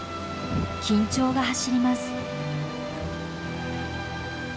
緊張が走ります。